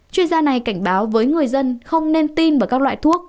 chuyên gia này cảnh báo với người dân không nên tin vào các loại thuốc